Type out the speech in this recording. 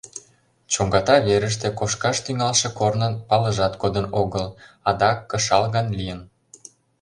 Чоҥгата верыште кошкаш тӱҥалше корнын палыжат кодын огыл, адак кышал ган лийын.